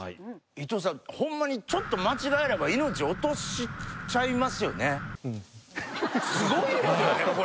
伊藤さんホンマにちょっと間違えれば命落としちゃいますよね？